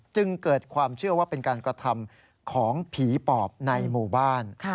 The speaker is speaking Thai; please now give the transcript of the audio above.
จึงเกิดความเชื่อว่าเป็นการกระทำของผีปอบในหมู่บ้าน